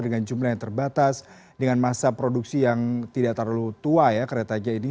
dengan jumlah yang terbatas dengan masa produksi yang tidak terlalu tua ya keretanya ini